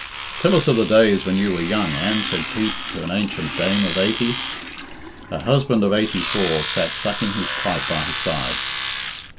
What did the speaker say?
"Tell us of the days when you were young, Anne," said Pete to an ancient dame of eighty. Her husband of eighty four sat sucking his pipe by her side.